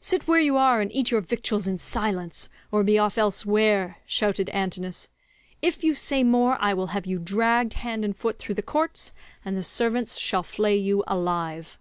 "Sit where you are, and eat your victuals in silence, or be off elsewhere," shouted Antinous. "If you say more I will have you dragged hand and foot through the courts, and the servants shall flay you alive."